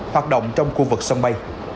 hoạt động trong khu vực sân bay